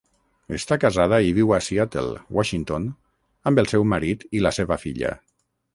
Està casada i viu a Seattle, Washington, amb el seu marit i la seva filla.